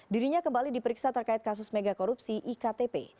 dirinya kembali diperiksa terkait kasus megakorupsi iktp